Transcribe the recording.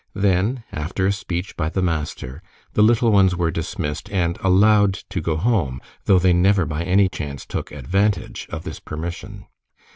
Then after a speech by the master the little ones were dismissed and allowed to go home though they never by any chance took advantage of this permission.